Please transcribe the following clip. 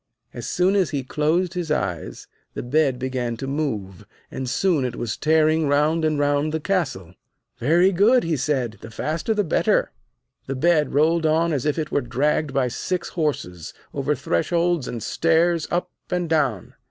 As soon as he closed his eyes, the bed began to move, and soon it was tearing round and round the castle. 'Very good!' he said. 'The faster the better!' The bed rolled on as if it were dragged by six horses; over thresholds and stairs, up and down.